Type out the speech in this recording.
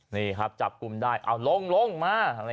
นี่ครับจับกลุ่มได้เอาลงมา